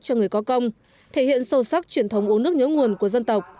cho người có công thể hiện sâu sắc truyền thống uống nước nhớ nguồn của dân tộc